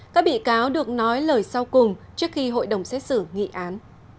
các bị cáo được nói lời sau cùng trước khi hội đồng xét xử nghị án